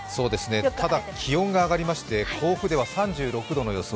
ただ気温が上がりまして甲府では３６度の予想。